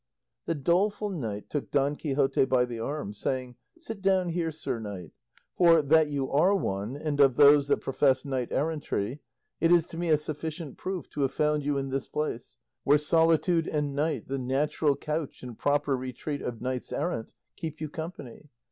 The doleful knight took Don Quixote by the arm, saying, "Sit down here, sir knight; for, that you are one, and of those that profess knight errantry, it is to me a sufficient proof to have found you in this place, where solitude and night, the natural couch and proper retreat of knights errant, keep you company."